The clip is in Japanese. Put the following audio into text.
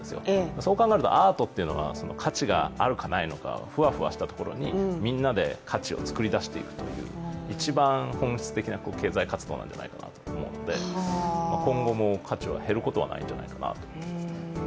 そう考えると、アートというのが価値があるのかないのか、ふわふわしたところにみんなで価値を作り出していくという一番本質的な経済活動ではないかと思うので今後も価値は減ることはないんじゃないかなと。